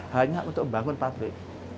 hanya untuk membangun pabrik